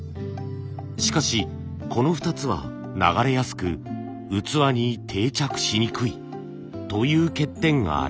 しかしこの２つは流れやすく器に定着しにくいという欠点があります。